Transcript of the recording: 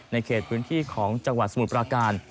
เขตพื้นที่ของจังหวัดสมุทรปราการ